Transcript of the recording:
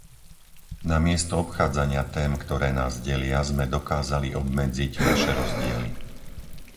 Namiesto obchádzania tém, ktoré nás delia, sme dokázali obmedziť naše rozdiely.